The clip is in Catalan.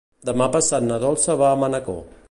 Demà passat na Dolça va a Manacor.